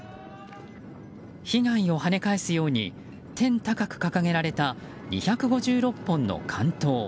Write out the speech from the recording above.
被害を跳ね返すように天高く掲げられた２５６本の竿燈。